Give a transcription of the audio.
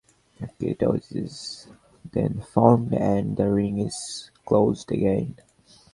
A ketose is then formed and the ring is closed again.